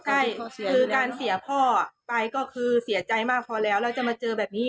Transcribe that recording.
ใช่คือการเสียพ่อไปก็คือเสียใจมากพอแล้วแล้วจะมาเจอแบบนี้